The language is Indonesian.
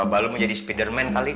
tuh mba lo mau jadi speederman kali